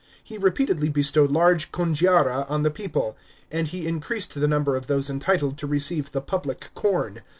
He repeated, y bestowed large congiaria on the people, and he increased the number of those entitled to receive the public corn.